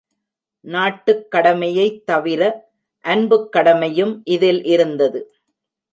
நாட்டுக் கடமையைத் தவிர அன்புக் கடமையும் இதில் இருந்தது.